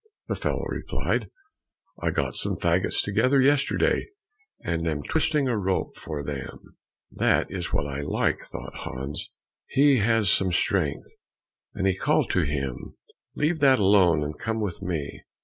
the fellow replied, "I got some faggots together yesterday and am twisting a rope for them." "That is what I like," thought Hans, "he has some strength," and he called to him, "Leave that alone, and come with me."